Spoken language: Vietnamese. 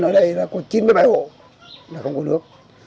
ở đây đã có chín mươi bảy hộ là không có nước